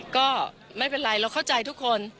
ก็ไม่เป็นไรเราเข้าใจทุกคน